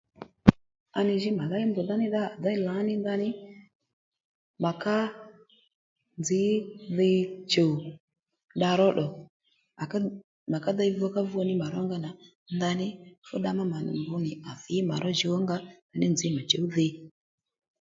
À nì jǐ ma ley mbrdha ní dda dey lǎní ndaní mà ká nzǐ dhi chùw dda ró ddù à ká mà ka dey vukavu ní mà ró nga nà ndaní fú dda ma mà nì mbr nì à thǐ mà ró djǔw ó nga ddí nzǐ mà chǔw dhi